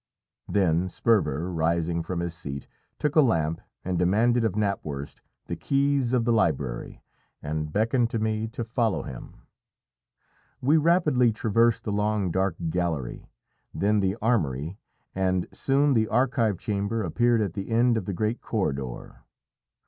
Then Sperver, rising from his seat, took a lamp and demanded of Knapwurst the keys of the library, and beckoned to me to follow him. We rapidly traversed the long dark gallery, then the armoury, and soon the archive chamber appeared at the end of the great corridor.